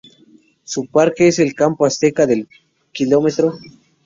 Su parque es el Campo Azteca del Km.